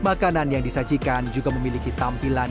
makanan yang disajikan juga memiliki tampilan